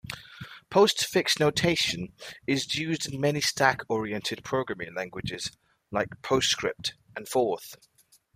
Postfix notation is used in many stack-oriented programming languages like PostScript and Forth.